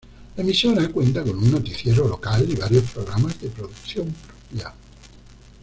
La emisora cuenta con un noticiero local y varios programas de producción propia.